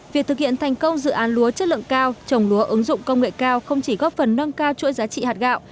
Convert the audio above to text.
việc thực hiện thành công dự án lúa chất lượng cao trồng lúa ứng dụng công nghệ cao không chỉ góp phần nâng cao chuỗi giá trị hạt gạo